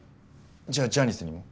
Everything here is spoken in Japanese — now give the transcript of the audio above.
じゃあジャニスにも？